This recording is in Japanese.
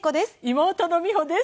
妹の美穂です。